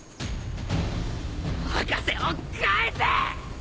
・博士を返せ！